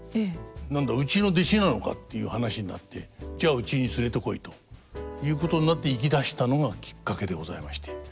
「何だうちの弟子なのか」っていう話になって「じゃあうちに連れてこい」ということになって行きだしたのがきっかけでございまして。